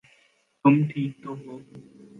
تم ٹھیک تو ہو؟